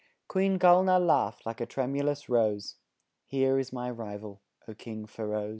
Queen Gulnaar laughed like a tremulous rose: "Here is my rival, O King Feroz."